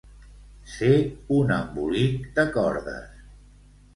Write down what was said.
Ser un embolic de cordes.